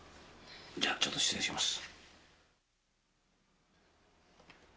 じゃちょっと失礼します。